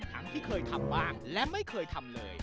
ที่เคยทำบ้างและไม่เคยทำเลย